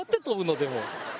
でも。